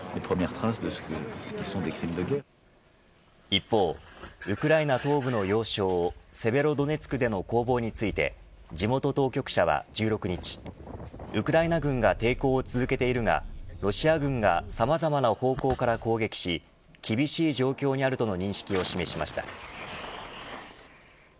一方、ウクライナ東部の要衝セベロドネツクでの攻防について地元当局者は１６日ウクライナ軍が抵抗を続けているがロシア軍がさまざまな方向から攻撃し厳しい状況にあるとの認識を示しました。